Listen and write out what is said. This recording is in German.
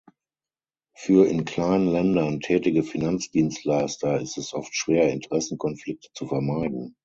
Für in kleinen Ländern tätige Finanzdienstleister ist es oft schwer, Interessenkonflikte zu vermeiden.